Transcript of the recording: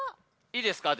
いいですか？